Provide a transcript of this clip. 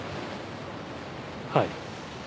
はい。